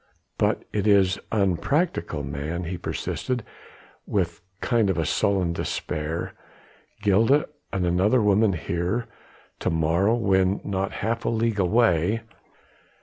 "But it is unpractical, man," he persisted with a kind of sullen despair. "Gilda and another woman here ... to morrow ... when not half a league away...."